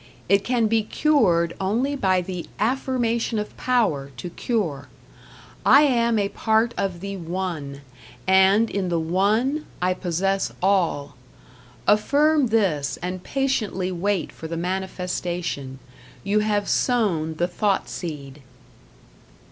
It can be cured only by the Affirmation of Power to cure: I am a part of the One, and, in the One, I possess all! Affirm this and patiently wait for the manifestation. You have sown the thought seed.